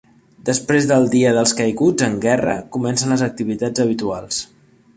Després del Dia dels caiguts en guerra, comencen les activitats habituals.